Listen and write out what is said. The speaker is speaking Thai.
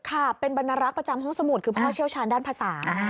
ค่ะเป็นบรรณรักษ์ประจำห้องสมุทรคือพ่อเชี่ยวชาญด้านภาษา